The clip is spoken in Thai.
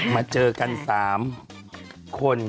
มาเจอกัน๓คน